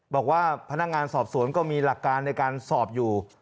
บอกว่าพนักงานสอบสวนก็มีหลักการในการสอบอยู่